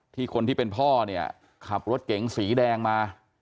ที่คนที่เป็นพ่อขับรถเก๋งสีแดงมา